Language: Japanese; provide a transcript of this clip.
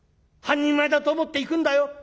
半人前だと思って行くんだよ。